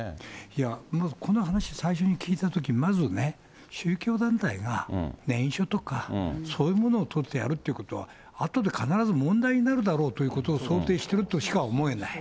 いや、まずこの話、最初に聞いたとき、まずね、宗教団体が、念書とか、そういうものを取ってやるということは、あとで必ず問題になるだろうということを想定してるとしか思えない。